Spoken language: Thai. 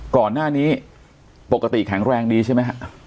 ก่อนหน้านี้ปกติแข็งแรงดีใช่ไหมฮะ